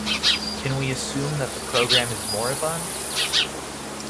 Can we assume that the program is moribund?